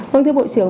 vâng thưa bộ trưởng